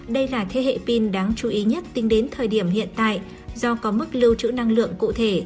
đây là thế hệ pin đáng chú ý nhất tính đến thời điểm hiện tại do có mức lưu trữ năng lượng cụ thể